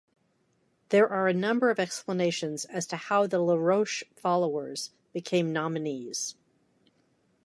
There are a number of explanations as to how the LaRouche followers became nominees.